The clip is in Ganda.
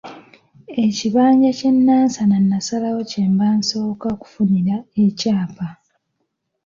Ekibanja ky'e Nansana nasalawo kyemba nsooka okufunira ekyapa.